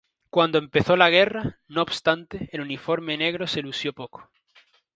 Cuando empezó la guerra, no obstante, el uniforme negro se lució poco.